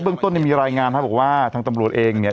ต้นเนี่ยมีรายงานครับบอกว่าทางตำรวจเองเนี่ย